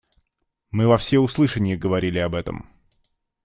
Мы все во всеуслышание говорили об этом.